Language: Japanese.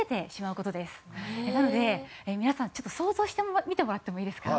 なので皆さんちょっと想像してみてもらってもいいですか？